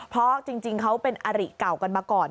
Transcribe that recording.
เพราะจริงเขาเป็นอริเก่ากันมาก่อน